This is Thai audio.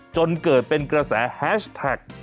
จนเกิดเป็นกระแสแฮชแท็ก